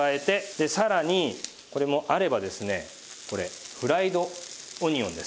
でさらにこれもあればですねこれフライドオニオンです。